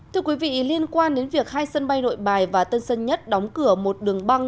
thưa quý vị liên quan đến việc hai sân bay nội bài và tân sân nhất đóng cửa một đường băng